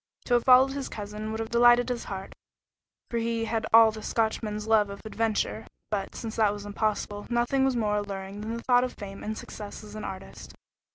To have followed his cousin would have delighted his heart, for he had all the Scotchman's love of adventure, but, since that was impossible, nothing was more alluring than the thought of fame and success as an artist.